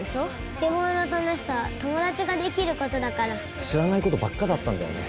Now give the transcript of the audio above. スケボーの楽しさは友達ができることだから知らないことばっかだったんだよね